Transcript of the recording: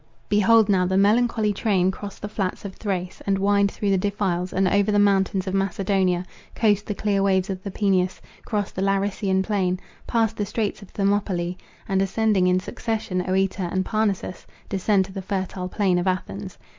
Behold now the melancholy train cross the flats of Thrace, and wind through the defiles, and over the mountains of Macedonia, coast the clear waves of the Peneus, cross the Larissean plain, pass the straits of Thermopylae, and ascending in succession Œrta and Parnassus, descend to the fertile plain of Athens.